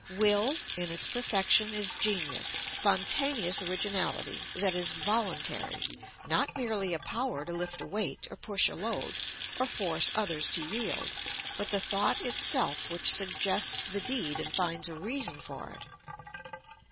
Will in its perfection is Genius, spontaneous originality, that is Voluntary; not merely a power to lift a weight, or push a load, or force others to yield, but the Thought itself which suggests the deed and finds a reason for it.